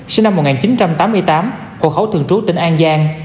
sinh năm một nghìn chín trăm tám mươi tám hộ khẩu thường trú tỉnh an giang